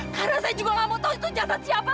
karena saya juga nggak mau tahu itu jasad siapa